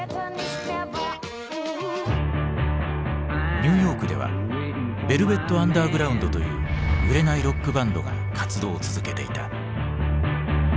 ニューヨークではヴェルヴェット・アンダーグラウンドという売れないロックバンドが活動を続けていた。